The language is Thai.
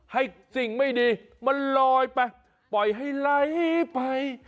สิ่งไม่ดีมันลอยไปปล่อยให้ไหลไป